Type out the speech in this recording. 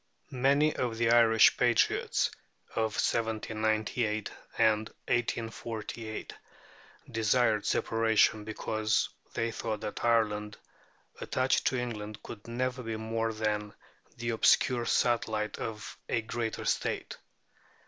Many of the Irish patriots of 1798 and 1848 desired Separation, because they thought that Ireland, attached to England, could never be more than the obscure satellite of a greater State.